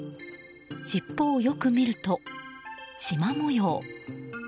尻尾をよく見ると、しま模様。